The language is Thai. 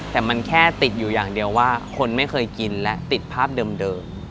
แต่มันแค่ติดอยู่อย่างเดียวว่าคนไม่เคยกินและติดภาพเดิม